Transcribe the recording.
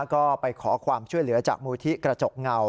ก็ไปขอความช่วยเหลือจากมูลที่กระจกเงา